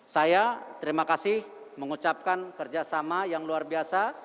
saya terima kasih mengucapkan kerjasama yang luar biasa